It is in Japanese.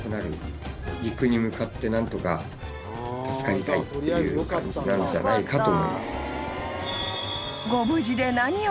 陸に向かって何とか助かりたいっていう感じなんじゃないかと思います。